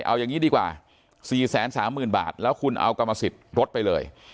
เอาอย่างงี้ดีกว่าสี่แสนสามหมื่นบาทแล้วคุณเอากรรมสิทธิ์รถไปเลย